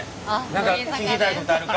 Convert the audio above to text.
何か聞きたいことあるか？